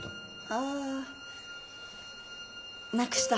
ああなくした